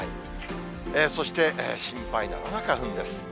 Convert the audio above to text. そして、心配なのが花粉です。